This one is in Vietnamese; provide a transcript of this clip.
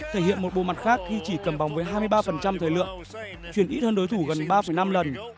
thể hiện một bộ mặt khác khi chỉ cầm bóng với hai mươi ba thời lượng chuyển ít hơn đối thủ gần ba năm lần